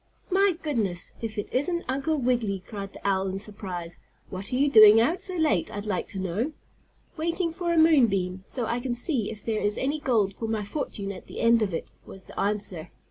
"My goodness, if it isn't Uncle Wiggily!" cried the owl in surprise. "What are you doing out so late, I'd like to know?" "Waiting for a moon beam, so I can see if there is any gold for my fortune at the end of it," was the answer.